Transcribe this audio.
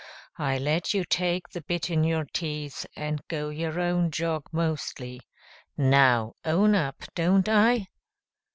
I let you take the bit in your teeth and go your own jog mostly. Now, own up, don't I?"